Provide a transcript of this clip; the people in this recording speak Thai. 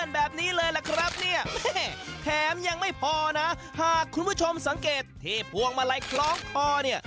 แบบนี้เลยล่ะครับเนี่ยแถมยังไม่พอนะหากคุณผู้ชมสังเกตที่พวงมาลัยคล้องคอเนี่ย